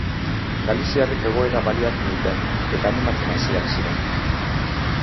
Galiziarrek egoera baliatu dute, eta animatzen hasiak ziren.